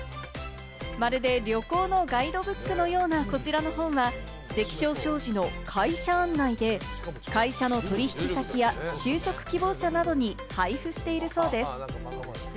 まるで旅行のガイドブックのようなこちらの本は、関彰商事の会社案内で会社の取引先や就職希望者などに配布しているそうです。